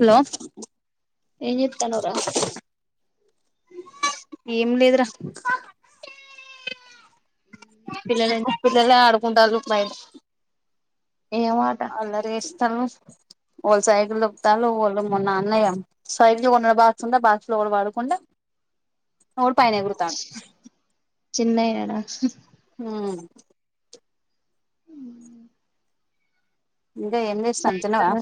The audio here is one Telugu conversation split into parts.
హలో ఏం చేస్తన్నావ్ రా ఇ ఏం లేదురా పిల్లలు ఎక్కువ పిల్లలే ఆడుకుంటారు బయట ఏమి ఆట [unintelligible] వాళ్ళు సైకిల్ తొక్కుతారు వాళ్ళు మొన్న అన్నయ్య సైకిల్ కొన్న బాక్స్ ఉంట బాక్స్ లో ఒక పడకుండా ఒడు పైన ఎగుర్తున్నాడు చిన్నయ నా హు ఇంకా ఏం చేస్తాం తిన్నావా సాయంత్రం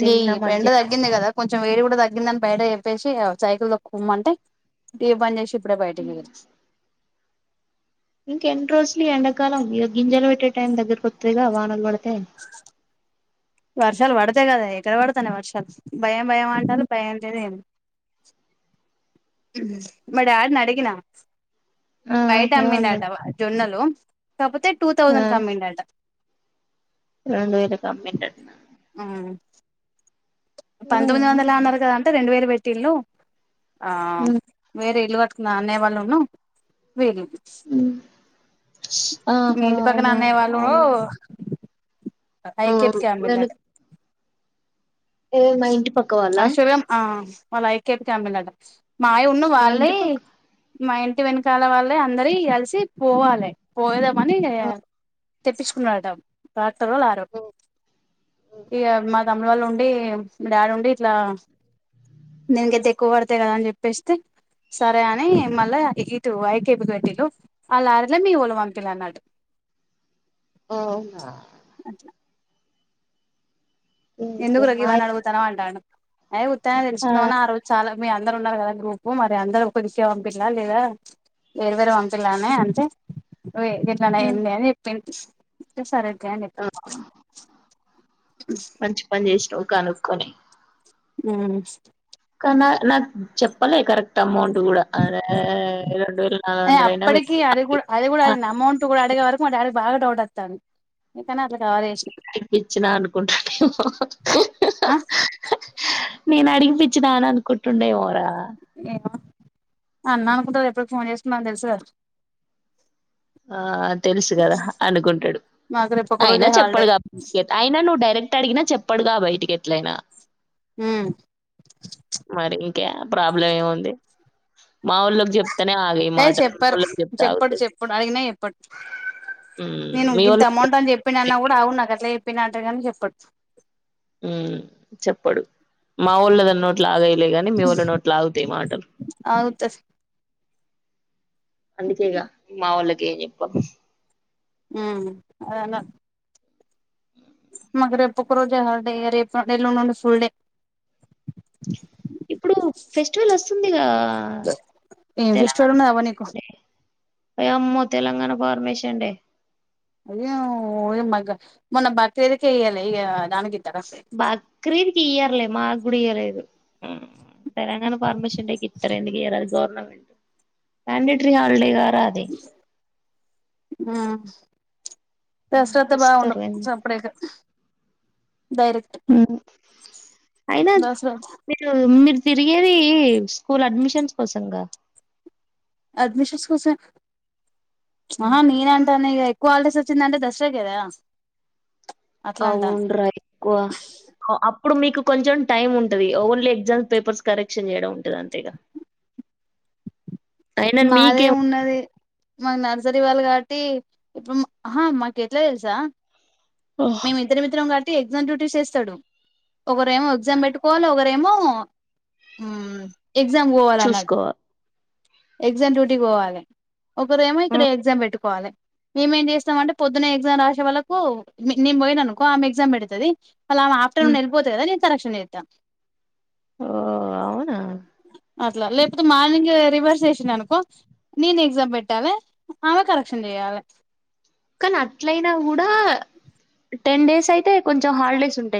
తిన్న ఇగ ఎండ మధ్యాహ్నం తగ్గింది కదా కొంచెం వేడి కూడా తగ్గిందని బయట చెప్పేసి సైకిల్ తోక్కూకుమ్మంటే టీవీ బంద్ చేసి ఇప్పుడే బయటకు వెళ్ళి ఇంకా ఎన్ని రోజులు ఎండకాలం గింజలు పెట్టే టైం దగ్గరకి వతదిగా వానలు పడ తె వర్షాలు పడతే కదా ఎక్కడ పడతాన్నాయి వర్షాలు భయం భయం అంటారు భయం లేదు ఏమి లేదు మరి డాడ్ ని అడిగినా ఆ బయట అమ్మిండు అంట ఏమన్నాడు జొన్నలు కాకపోతే టూ థౌసండ్ కి అమ్మిండు అంట రెం వేల కు అమ్మిండు అంటనా పంతొమ్మిది వందలు అన్నారు కదా అంటే రెండు వేలు పెట్టిళ్ళు ఆ వేరే ఇలు కట్టుకున్నా అనేవాళ్ళును వీరు మీ ఆహా ఇంటి పక్కన అవునా అన్నయ వాళ్ళు ఆ [unintelligible] కే అమ్మిండ్ర అట వెనక ఏ మా ఇంటి పక్క వాళ్ళ అక్షురం ఆ వాళ్ళఐకేపి అమ్మిండ్రట మాయ ఉన్న మా వాళ్ళే ఇంటి పక్క మా ఇంటి వెనకాల వాళ్ళే అందరి కలిసి పోవాలి పోదమని తెప్పించుకున్నాట డాక్టర్ వాళ ఆరో ఇక మ తముల వాళ్ళ ఉండి డాడీ ఉండి ఇట్లా నేనికతే ఎక్కువ పడతాయి కదా అని చెప్పేస్తే సరే అని మళ్ళీ ఇటు వైకేపు గట్టిలు ఆ లారీలో మీ వోళ్ళని వంపినా అన్నాడు అవునా అట్లా ఎందుకు ఇంకేం మా రగీవ్ అని అడుగుతాను అంటాడు అ్య ఉత్తానని తెలుసుకుందా మని ఆ రోజు చాలా మీ అందరు ఉన్నారు కదా గ్రూపు మరి అందరు కొదిసేం తినరా లేదా వేర వేరే పంపిలానే అంటే ఎట్లానే ఏంది అని చెప్పి సరే ఒకే అని మంచి పని చేసిన్ కనుక్కొని మ్మ్ కా నాకు చెప్పలే కరెక్ట్ అమౌంట్ అ రెండ వేల నాలు వందల అయినా అప్పటికి అది కూడా అది కూడా అడిగిన అమౌంట్ కూడా అడిగే వరకు మా బాగా డౌడ్తాంది ఇట్లనా ఇప్పించినా అనుకుంటానా ఆ నేను అడిపించినాను అనుకుంటుండు ఏమో రా ఏమో అన్నా అనుకుంటు ఎప్పటికి ఫోన్ చేసుకున్నాని తెలుసు గా ఆ తెలుసు కదా అనుకుంటాడు మాకు రేపు ఒక అయినా రోజే హాలిడే చెప్పడుగా బయటికె అయినా నువ్వు డైరెక్ట్ అడిగినా చెప్పడుగా బయటికెట్లయినా హ్మ్ కె ప్రాబ్లమ్ ఏం ఉంది మా వాళ్ళకి చెప్తానే ఆగ ఏ మాటలు చెప్పరు వాళ్ళకి చెప్తా చెప్పడు ఆగు చెప్పడు అడిగినా నేను మీ ఇంత వోళ్ళ అమౌంట్ అని చెప్పి అన్నా కూడా అవును నాక్ అట్ చెప్పినాటకాన్ని చెప్పడు హ్మ్ చెప్పడు మా వాళ్ళ దాన్ని నోట్లాగై లే గాని మీ వాల్ళ నోట్లు అగుతాయి మాటలు అవుతది అందుకేగా మా వాళ్ళకే ఏం చెప్పం హ్మ్ అదే అన్నాడు మాకు రేపు ఒక రోజు హాలిడే రేపు ఎల్లుండి నుండి ఫుల్ డే ఇప్పుడు ఫెస్టివల్ వస్తుందిగా ఏం ఫెస్టివల్ ఉన్నది అమ్మ నీకు అయ అమ్మో తెలంగాణ ఫార్మేషన్ డే అయ్యోయ్య మగ మొన్న బక్రీద్ కే ఇయ్యాలే ఇగ దానికి ఇత్తరా బక్రీద్కి ఇయర్లే మాకు గుడ ఇయలేదు తెలంగాణ ఫార్మేషన్ డే కి ఇతరు ఎందుకు ఇయరు అది గవర్నమెంట్ మ్యాండేటరీ హాలిడేగా హ్మ్ దసటత్త బాగా ఉండ ఇస్తారు చప్పుడకి అయినా దసరా మీరు మీర్ తిరిగేది స్కూల్ అడ్మిషన్స్ కోసంగా అడ్మిషన్స్ కోసం ఆహా నేను అంటానే ఇ ఎక్కువ హాలిడేస్ వచ్చిందంటే దసరా కే కదా అట్లా అంటాన అవును రా ఎక్కువ అప్ ఇప్పుడు మీకు కొంచెం టైం ఉంటంది ఓన్లీ ఎగ్జామ్స్ పేపర్స్ కరెక్షన్ చేయడం ఉంటది అంతేగా అయినా మీకేం మాదే ఉన్నది మాకు నర్సరీ వాళ్ళు కాబట్టి ఇప్పుడు మా ఆహా మాకు ఎట్లా తెలుసా ఓహ్ మేము ఇద్దరం ఇద్దరం [unintelligible] ఎగ్జామ్ డ్యూటీస్ వేస్తడు ఒకరేమో ఎగ్జామ్ పెట్టుకోవాలి ఒకరేమో మ్ ఎగ్జామ్ పోవాలన్నట్టు చూసుకోవాలి ఎగ్జామ్ డ్యూటీకి పోవాలే ఒకరేమో ఇక్కడ ఎగ్జామ్ పెట్టుకోవాలే మేమేం చేస్తాం అంటే పొద్దున్నే ఎగ్జామ్ రాసే వాళ్ళకు నేను పోయిన అనుకో ఆమె ఎగ్జామ్ పెడుతది [unintelligible] ఆఫ్టర్నూన్ వెళ్ళిపోత కదా నేను కరెక్షన్ చేత్త ఓ అవునా అట్లా లేకపోతే మార్నింగ్ రివర్స్ [unintelligible] నేను ఎగ్జామ్ పెట్టాలే ఆమె కరెక్షన్ చేయాలే కానీ అట్లయినా కూడా టెన్ డేస్ అయితే కొంచెం హాలిడేస్ ఉంటు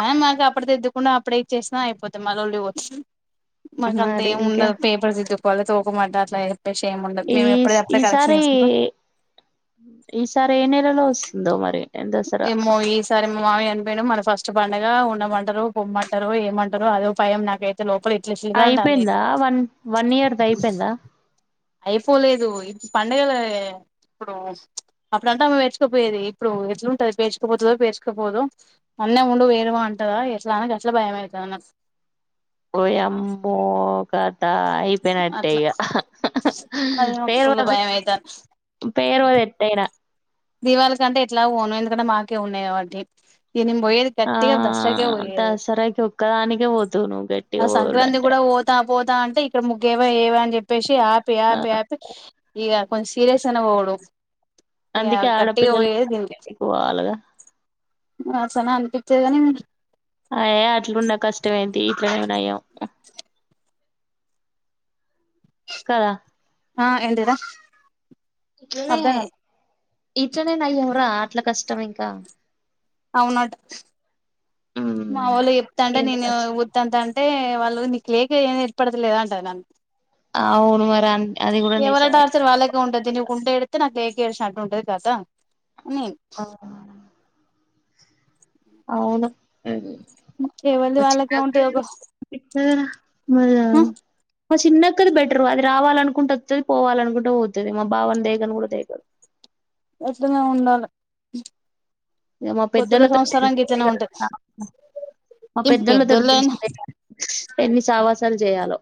ఆ మాకు అప్పుడు దిద్దుకున్న అప్పుడే ఇచ్చేసినా అయిపోతాయి ఆ లొల్లి పోతది మాక అంత మరి ఏం ఇంకా ఉండవ్ పేపర్స్ దిద్దుకోవాలి తోకమట్ట అట్లా ఏ ఈ ఈసారి ఈసారి ఏ నెలలో వస్తుందో మరి దసరా ఏమో ఈ సారి మా మామయ్యా చనిపోయిండు మన ఫస్ట్ [unintelligible] పండగా ఉండమంటరో పొమ్మంటరో ఏమంటరో అదో భయం నాకైతే లోపల ఇ అయిపోయిందా వన్ వన్ ఇయర్ ది అయిపోయిందా అయిపోలేదు [unintelligible] పండగలే ఇప్పుడు అప్పుడు అంటే ఆమె పేర్చుకపోయేది ఇప్పుడు ఎట్లుంటది పేర్చుకపోతదో పేర్చుకపోదు అన్నే ఉండు [unintelligible] అంటే అంటదా ఎట్లా గట్లా భయం అయితాంది నాకు [unintelligible] [unintelligible] అయిపోయినట్టే అట్లా ఇగా అది నాకు ఫుల్ [unintelligible] భయం అయితాంది పేర్వది ఎట్టయినా దీవాలి కంటే ఎట్లాగూ పోను ఎందుకంటే మాకే ఉన్నాయి కాబట్టి ఇగ నేను పోయేది ఆ గట్టిగా దసరకే పోయ్యేది దసరాకి ఒక్కదానికే పోతువు నువ్వు ఆ గట్టిగా సంక్రాంతి పోవుడంటే కూడా పోతా పోతా అంటే ఇక్కడ ముగ్గేయవా [unintelligible] చెప్పేసి ఆపి ఆ ఆపి ఆపి ఇగ కొంచం సీరియస్గనే పోవుడు ఇగా అందుకే గట్టిగ ఆడపిల్లలు పోయేది [unintelligible] ఎక్కువ వాళ్ళుగా [unintelligible] అనిపిచ్చేది గని అయ అట్లున్న కష్టం ఏంటి [unintelligible] కదా ఆ ఏంటిది రా ఇట్లనే ఇట్లనే నయం రా అట్లా కష్టం ఇంకా అవునట మావోళ్ళు చెప్తాంటే నేను ఎందుకచ్చ ఉత్తంత అంటే వాళ్ళు లేక ఏం ఏర్పడతలేదా అంటది నన్ను అవును మరి అది కూడా ఎవళ నిజమే టార్చర్ వాళ్ళకి ఉంటదితి నీకు ఉంటే ఎడితే నాకు లేక ఏడిషినట్టు ఉంటది కథ ఆ [unintelligible] అవును ఏవల్దీ వాళ్ళకే ఉంటది [unintelligible] అ హ మా చిన్నక్కది బెటర్ అది రావాలనుకుంటే వత్తది పోవాలనుకుంటే పోతది మా బావని దేకను కూడా దేకదు అట్లనే ఉండాలి ఏమో కొత్తలో పెద్దలతో సంవత్సరానికి ఇట్లనే ఉంటది మా ఏం పెద్దలతో పెద్దోళ్ళైన తెలిసిందేగా ఎన్ని సావాసాలు చేయాలో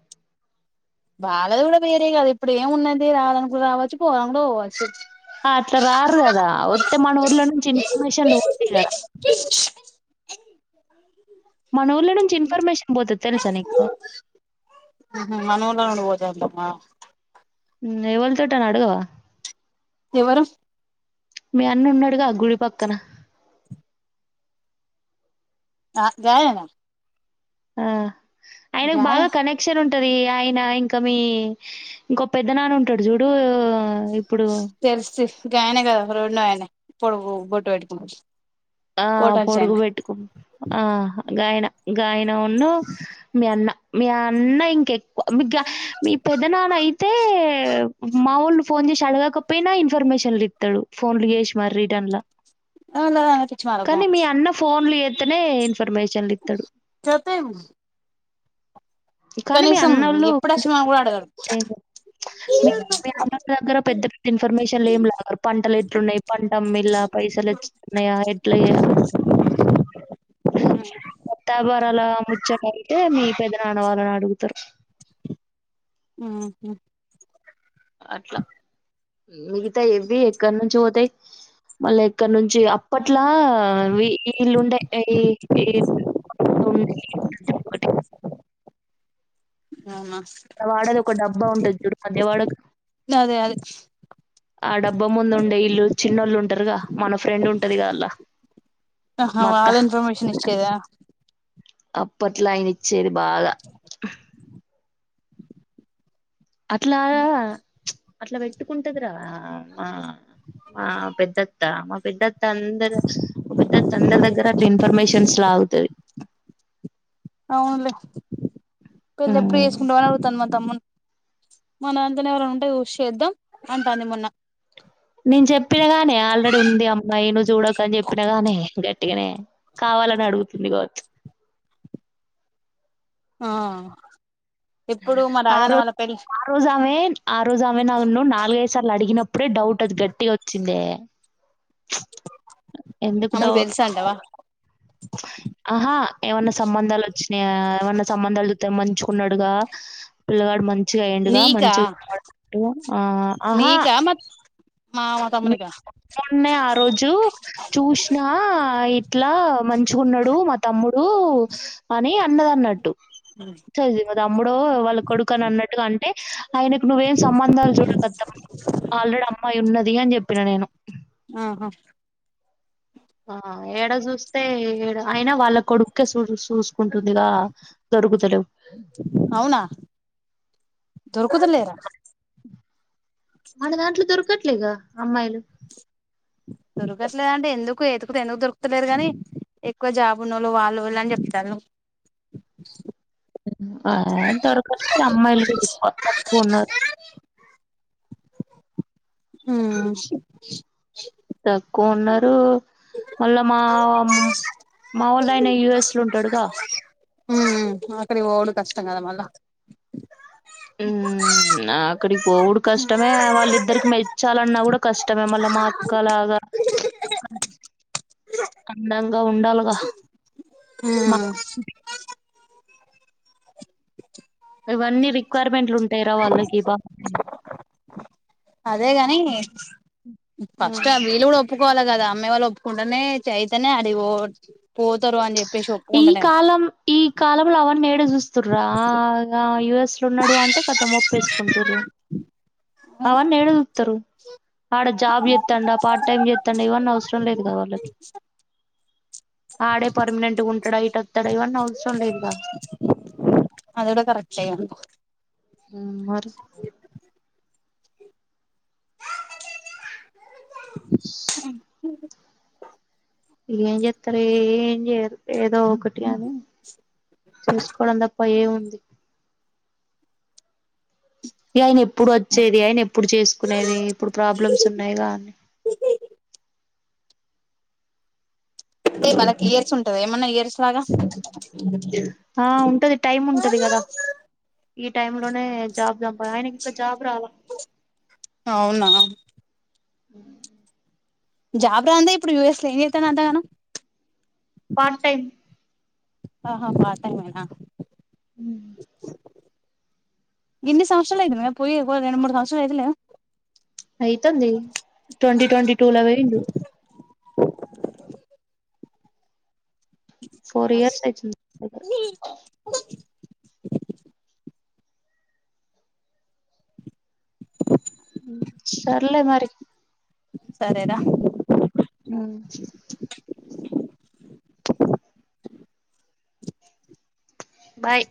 వాళ్ళది కూడా వేరే కదా ఇప్పుడు ఏం ఉన్నది రావలీ అనుకుంటే రావచ్చు పోవలి అనుకుంటే పోవచ్చు అట్లా రారు కదా వస్తే మన ఊర్లో నుంచి ఇన్ఫర్మేషన్లు ఉంటాయి కదా మాన ఊర్లో నుంచి ఇన్ఫర్మేషన్ పోతుది తెలుసా నీకు ఆహా మన ఊర్లో నుండి పోతుందా ఎవలా తోటి అని అడగవా ఎవరు మీ అన్న ఉన్నాడుగా గుడి పక్కన ఆ గాయనేన ఆ ఆయనకు బాగా కనెక్షన్ ఉంటది ఆయన ఇంకా మీ ఇంకో పెద్ద నాన్న ఉంటాడు చూడు ఇప్పుడు గగాయన క రొండో ఆయనా పొడుగు బొట్టు పెట్టుకున ఆ పొడుగు పెట్టుకు ఆ గాయనా గాయనా ఉన్నా మీ అన్న మీ అన్న ఇంకెక్కువ మీ మీ పెద్ద నాన్న అయితే మాముూలు ఫోన్ చేసి అడగాకపోయినా ఇన్ఫర్మేషన్లు ఇత్తడు ఫోన్లు చేసి మరి రిటర్న్ల వాళ్ళ పిచ్చి కానీ మాలోకం మీ అన్న ఫోన్లు చేస్తనే ఇన్ఫర్మేషన్లు ఇస్తాడు థీమ్ కానీ మీ అన్నవోళ్ళు ఎప్పుడు కొంచెం వచ్చినవని కూడా అడగరు మీ మీ అన్నంటి దగ్గర పెద్ద పెద్ద ఇన్ఫర్మేషన్లు ఏం లే అక్కడ పంటలు ఎట్లున్నాయి పంట మిల్ల [unintelligible] ఎట్ల దత్తాభారాల ముచ్చటా అయితే మీ పెదనాన వాళనా అడుగుతారు మ్మ్ హ్మ్ అట్లా మిగతా ఇవి ఎక్కడ నుంచి పోతాయి మళ్ళీ ఎక్కడ నుంచి అప్పట్ ఇట్లా వీలుుండే ఏ ఏ అవునా వాడది ఒక డబ్బా ఉంటది చుడకదేవాడక అదే అదే ఆ డబ్బా ముందు ఉండే ఇల్లు చిన్నోళ్ళు ఉంటారుగా మన ఫ్రెండ్ ఉంటది కదలా ఆహా వాళ ఇన్ఫర్మేషన్ ఇచ్చేదా అప్పట్లా అయినిచ్చేది బాగా అట్లా అట్లా పెట్ ట్కుంటద్ర మా మా పెద్దత్త మా పెద్దత్ తందర ఒక పెద్ద అత్త అందరి దగర అట్ ఇన్ఫర్మేషన్స్లా లాగుతది అవునులే పెళ్ళ ఎప్పుడు ఉమ్. వేసుకుంటా అని అడుగుతాంది మా తమ్ముడిని మనంతానే ఎవరైనా ఉంటే యూసి చేద్దాం అంటాంది మొన్న నేను చెప్పినగానే ఆల్రెడీ ఉంది అమ్మాయి నువ్వు చూడక అని చెప్పినగానే అట్గనే కావాలని అడుగుతుంది గో ఆ ఎప్పుడు మా ఆ రాజన్న రోజ వాళ్ళ పెళ్లి ఆ రోజు అమ్మే ఆ రోజు ఆమెనా నాలుగైదు సార్లు అడిగినప్పుడే డౌట్ అది గట్టిగా వచ్చిందే ఎందుకు అమ్మకు డౌ తెలుసా అంటావా ఆహా ఏమన్నా సంబంధాలు వచ్చినాయా ఏమన్నా సంబంధాలు చూతా మంచి తెచ్చుకున్నాడుగా పిల్లగాడు మంచిగా అయ్యిండుగా నీకా మంచిగా ఆ ఆహా వాళ్ళ తమ్మునికా మొన్నె ఆ రోజు చూసినా ఇట్లా మంచిగున్నాడు మా తమ్ముడు అని అన్నదన్నట్టు ఉమ్ చదివిం కదా అమ్ముడో వాళ్ళ కొడుకు అని అన్నట్టుగా అంటే ఆయనకు నువ్వేం సంబంధాలు చూడగద్దామా ఆల్రెడీ అమ్మాయి ఉన్నది అని చెప్పినా నేను హ ఆ ఏడ చూస్తే ఏడ అయినా వాళ్ళ కొడుక్కే చూ చూసు కుంటుందిగా దొరుకుతలేవు అవునా దొరుకుతలేరా మన దాంట్లో దొరకట్లేగా అమ్మాయిలు దొరకట్లేదంటే ఎందుకు ఎతుకుతే ఎందుకు దొరుకతలేరు గాని ఎక్కువ జాబు ఉన్న వాళ్ళు వీళ్ళు అని చెప్తారు నువ్వు ఆంతొరకత మీరు అమ్మాయిలు కూడా చానా తక్కువ ఉన్నారు ఆమ్ తక్కువ ఉన్నారు మళ్ళా మా మా వాళ్ళ ఆయిన యుఎస్ లో ఉంటాడుగా ఉమ్ అక్కడికి పోడు కష్టం కదా మళ్ళా ఉమ్ ఉమ్ అక్కడికి పోవుడు కష్టమే వాళ్ళిద్దరికి మెచ్చాలన్నా కూడా కష్టమే మళ్ళ మా అక్కలాగా కమలవు ఇక ఉండాలగా మా ఉమ్ ఇవన్నీ రిక్వైర్మెంట్ ఉంటాయి రా వాళ్ళకి బా అదేగాని ఫస్ట్ మ్మ్ వీలు కూడా ఒప్పుకోవాలి గదా అమ్మయి వాళ్ళు ఒప్పుకుంటేనే చైతన్య అడిగి పోతారు అని చెప్పి ఈ కాలం ఈ కాలంలో అవి అన్ని అటా జూస్తురా ఆ గా యూఎస్ లో ఉన్నడు అంటే ఖతం ఒప్పేసుకుంటుండ్రు అవన్ని ఏడా జుత్తరు ఆడ జాబ్ చెత్తండా పార్ట్ టైమ్ చెత్తండా ఇవన్ని అవసరం లేదు గా వాళ్ళకి ఆడే పర్మనెంట్గా ఉంటాడా ఇట వస్తాడా ఇవన్నీ అవసరం లేదుగా అది గుడా కరక్టే అనుకో ఉమ్ మరి ఏం చేత్తరు ఏం చేయరు ఏదో ఒకటి అని చేసుకోవడం తప్ప ఏం వుంది ఈ అయినే ఇప్పు ఇప్పుడు వచ్చేది అయన ఎప్పుడు చేసుకునేది ఇప్పుడు ప్రాబ్లమ్స్ ఉన్నాయిగా అన్నీ అదే మనకి ఇయర్స్ ఉంటద ఏమన్నా ఇయర్స్ పాదా ఆ ఉంటది టైం ఉంటది కదా ఈ టైమ్ లోనే జాబ్ చంపా ఆయనకి ఇంకా జాబ్ రాలా అవునా జాబ్ రాందే ఇప్పుడు యుఎస్ లో ఏం చేతనవ్ అంతగనం పంపేయ్ ఆహా పార్ట్ టైమేనా గిన్ని సంవత్సరాలైతుందిగా పోయి రెండు మూడు సంవత్సరాల్ అయితలేద అయితంది ట్వంటీ ట్వంటీ టుల పోయిండు ఫోర్ ఇయర్స్ అయితుంది మీ సర్లే మరి సరేర బాయ్